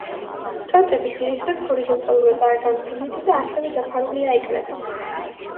ტოტები ძირითადად ჰორიზონტალურადაა განფენილი და ასევე დაფარულია ეკლებით.